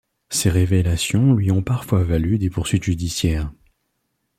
Ces révélations lui ont parfois valu des poursuites judiciaires.